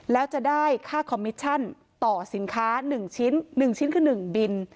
แล้วจะได้ค่าคอมมิชชั่นต่อสินค้า๑ชิ้น๑ชิ้นคือ๑บิน